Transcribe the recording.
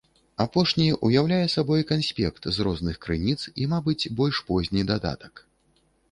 Апошні ўяўляе сабой канспект з розных крыніц і, мабыць, больш позні дадатак.